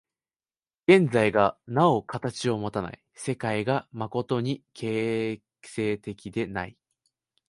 現在がなお形をもたない、世界が真に形成的でない。